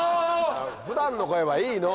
普段の声はいいの！